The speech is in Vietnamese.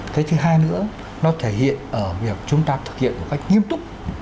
cái thứ hai nữa nó thể hiện ở việc chúng ta thực hiện một cách nghiêm túc